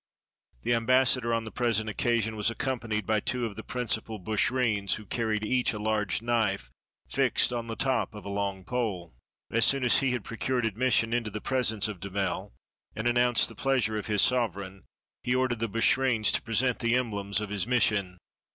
The ambassador on the present occasion was accompa nied by two of the principal bushreens, who carried each a large knife, fixed on the top of a long pole. As soon as he had procured admission into the presence of Damel, and announced the pleasure of his sovereign, he ordered the bushreens to present the emblems of his mission.